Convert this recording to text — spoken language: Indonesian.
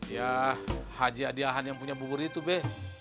ya haji adiahan yang punya bubur itu be